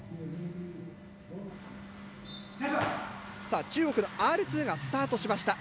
さあ中国のＲ２がスタートしました。